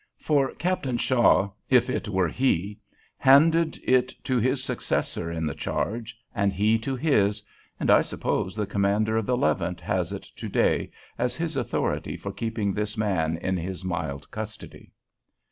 For Captain Shaw, if it were he, handed it to his successor in the charge, and he to his, and I suppose the commander of the "Levant" has it to day as his authority for keeping this man in this mild custody.